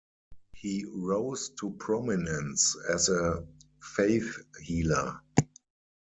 He rose to prominence as a faith healer.